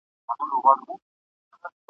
د اغیار جنازه ولاړه د غلیم کور دي تالان دی ..